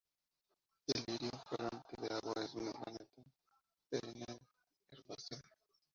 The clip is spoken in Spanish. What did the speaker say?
El lirio fragante de agua es una planta perenne herbácea.